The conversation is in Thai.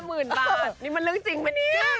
๕หมื่นบาทนี่มันลึกจริงไหมนี่